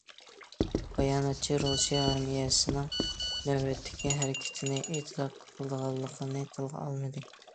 باياناتچى رۇسىيە ئارمىيەسىنىڭ نۆۋەتتىكى ھەرىكىتىنى ئېتىراپ قىلىدىغانلىقىنى تىلغا ئالمىدى.